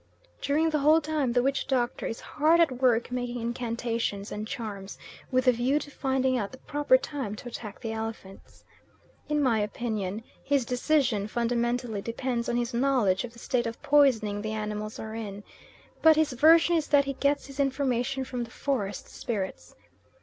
During the whole time the witch doctor is hard at work making incantations and charms, with a view to finding out the proper time to attack the elephants. In my opinion, his decision fundamentally depends on his knowledge of the state of poisoning the animals are in, but his version is that he gets his information from the forest spirits.